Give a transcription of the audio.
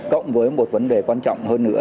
cộng với một vấn đề quan trọng hơn nữa